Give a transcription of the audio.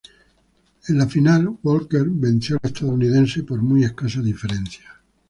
En la final Walker venció al estadounidense por muy escasa diferencia.